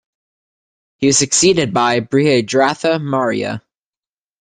He was succeeded by Brihadratha Maurya.